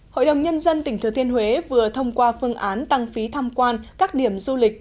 hội đồng nhân dân tỉnh thừa thiên huế vừa thông qua phương án tăng phí tham quan các điểm du lịch